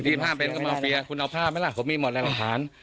๒๕ปีก็มาเฟียคุณเอาผ้าไหมล่ะผมมีหมดแรงอาหาร